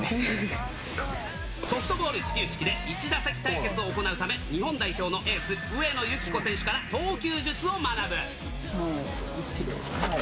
ソフトボール始球式で、１打席対決を行うため、日本代表のエース、上野由岐子選手から投球術を学ぶ。